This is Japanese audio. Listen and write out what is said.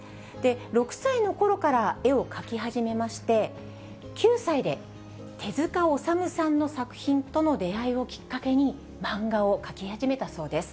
６歳のころから絵を描き始めまして、９歳で手塚治虫さんの作品との出会いをきっかけに、漫画を描き始めたそうです。